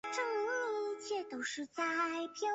和老家完全不一样